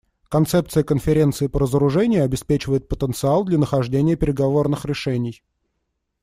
Концепция Конференции по разоружению обеспечивает потенциал для нахождения переговорных решений.